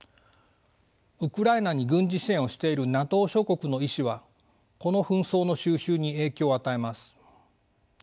ウクライナに軍事支援をしているＮＡＴＯ諸国の意思はこの紛争の収拾に影響を与えます。